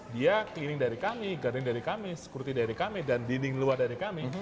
dia keliling dari kami garden dari kami security dari kami dan dinding luar dari kami